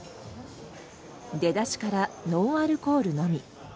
出だしからノンアルコールのみ。